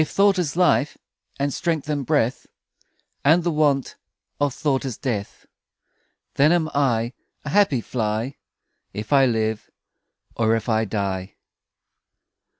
If thought is life And strength and breath And the want Of thought is death; Then am I A happy fly, If I live, Or if I die.